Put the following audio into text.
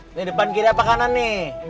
di depan kiri apa kanan nih